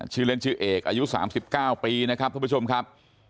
ชื่อเล่นชื่อเอกอายุ๓๙ปีนะครับท่านผู้ชมครับ